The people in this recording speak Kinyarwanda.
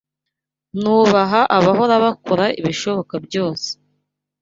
Nubaha abahora bakora ibishoboka byose.